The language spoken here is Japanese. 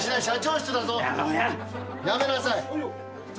社長室だぞ。